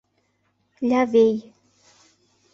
Лявей.